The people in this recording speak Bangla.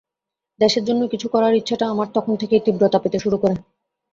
দেশের জন্য কিছু করার ইচ্ছেটা আমার তখন থেকেই তীব্রতা পেতে শুরু করে।